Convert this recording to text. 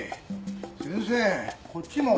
先生こっちも。